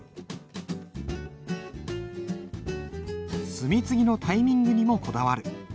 墨継ぎのタイミングにもこだわる。